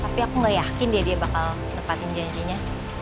tapi aku gak yakin dia bakal nepatin janjinya